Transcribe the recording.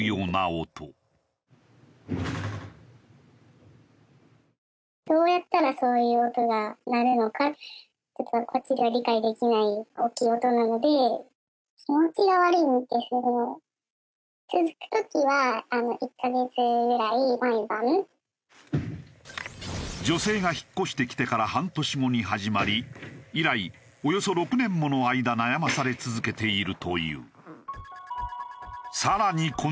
ちょっとこっちでは女性が引っ越してきてから半年後に始まり以来およそ６年もの間悩まされ続けているという。